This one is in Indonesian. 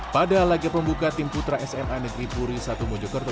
pada laga pembuka tim putra sma negeri puri satu mojokerto